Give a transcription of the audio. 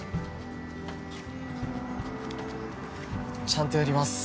ちゃんとやります。